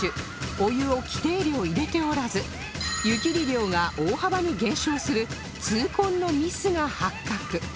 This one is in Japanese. お湯を規定量入れておらず湯切り量が大幅に減少する痛恨のミスが発覚